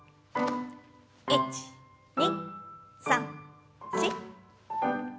１２３４。